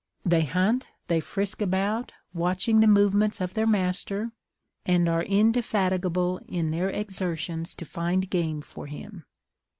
They hunt, they frisk about, watching the movements of their master, and are indefatigable in their exertions to find game for him.